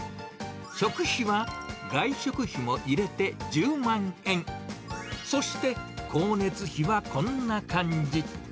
食費は外食費も入れて１０万円、そして光熱費はこんな感じ。